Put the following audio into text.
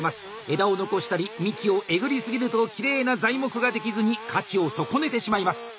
枝を残したり幹をえぐり過ぎるときれいな材木が出来ずに価値を損ねてしまいます。